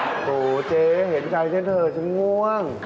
โอ้โหเจ๊เห็นใจฉันเถอะฉันง่วง